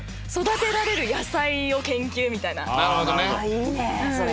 いいねそれ。